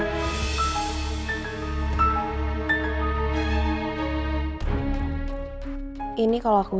kalo kamu dikendalikan aku jatuh